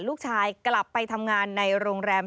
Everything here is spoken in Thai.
ลูกชายกลับไปทำงานในโรงแรม